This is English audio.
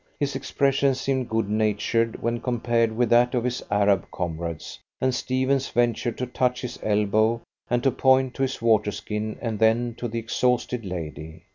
His expression seemed good natured when compared with that of his Arab comrades, and Stephens ventured to touch his elbow and to point to his water skin, and then to the exhausted lady.